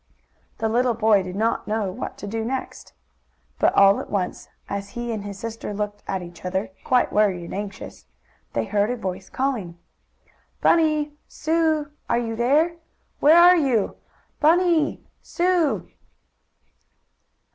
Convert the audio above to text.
The little boy did not know what to do next. But, all at once, as he and his sister looked at each other, quite worried and anxious, they heard a voice shouting: "Bunny! Sue! Are you there? Where are you? Bunny! Sue!"